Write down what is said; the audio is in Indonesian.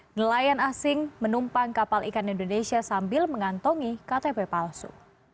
nelayan asing menumpang kapal ikan indonesia sambil mengantongi ktp palsu